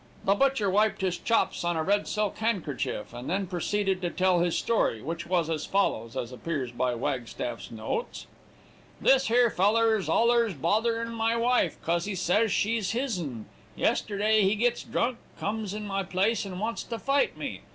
"The butcher wiped his chops on a red silk handkerchief, and then proceeded to tell his story, which was as follows, as appears by Wagstaff's notes; "'This here feller's allers botherin' my wife, 'cause he says she's his'n; yesterday he gits drunk, comes in my place, and wants to fight me.